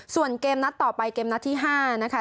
ส่วนเกมนัดต่อไปเกมนัดที่๕นะคะ